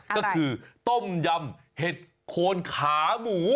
ก็คือต้มยำเห็ดโคนขาหมู